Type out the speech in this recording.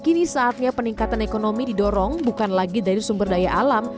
kini saatnya peningkatan ekonomi didorong bukan lagi dari sumber daya alam